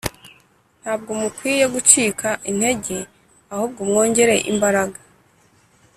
ntabwo mukwiye gucika intege ahubwo mwongere imbaraga